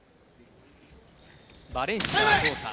バレンシア、どうだ。